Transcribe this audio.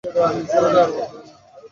নিসার আলি জবাব দিলেন না।